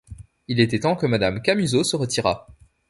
Il était temps que madame Camusot se retirât.